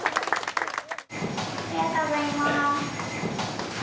ありがとうございます。